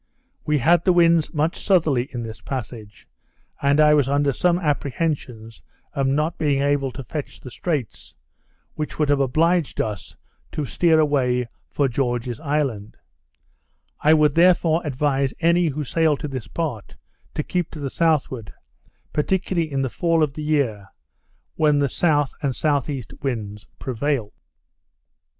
We had the winds much southerly in this passage, and I was under some apprehensions of not being able to fetch the straits, which would have obliged us to steer away for George's Island; I would therefore advise any who sail to this part, to keep to the southward, particularly in the fall of the year, when the S. and S.E. winds prevail.